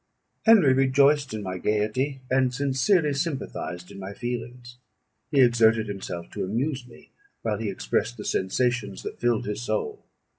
Henry rejoiced in my gaiety, and sincerely sympathised in my feelings: he exerted himself to amuse me, while he expressed the sensations that filled his soul.